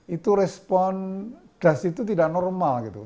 itu respon das itu tidak normal gitu